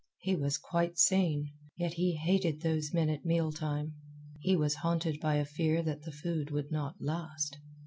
He was quite sane, yet he hated those men at mealtime. He was haunted by a fear that the food would not last.